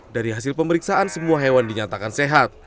dari hasil pemeriksaan semua hewan dinyatakan sehat